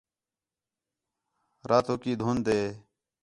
راتوکی دُھن٘د ہِے